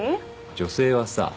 女性はさ